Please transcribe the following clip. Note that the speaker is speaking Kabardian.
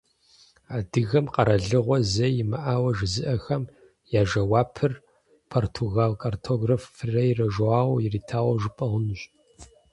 Адыгэм къэралыгъуэ зэи имыӏауэ жызыӏэхэм я жэуапыр португал картограф Фрейре Жоау иритауэ жыпӏэ хъунущ.